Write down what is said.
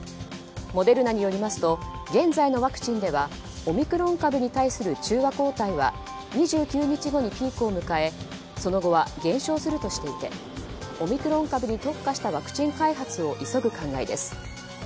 モデルナによりますと現在のワクチンではオミクロン株に対する中和抗体は２９日後にピークを迎えその後は減少するとしていてオミクロン株に特化したワクチン開発を急ぐ考えです。